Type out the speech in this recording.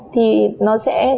thì nó sẽ